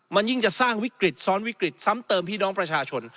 มันยิ่งจะสร้างวิกฤตซ้อนวิกฤตซ้ำเติมพี่น้องประชาชน